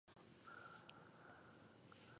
اداره باید د قانون د احکامو مطابق عمل وکړي.